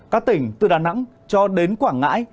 các tỉnh từ đà nẵng cho đến quảng ngãi